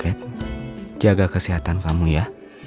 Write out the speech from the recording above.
oke jaga kesehatan kamu ya